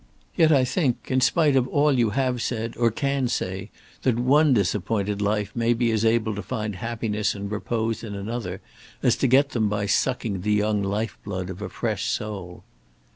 Yet I think, in spite of all you have said or can say, that one disappointed life may be as able to find happiness and repose in another, as to get them by sucking the young life blood of a fresh soul."